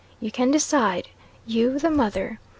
You can decide you, the mother.